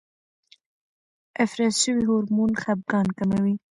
افراز شوی هورمون خپګان کموي.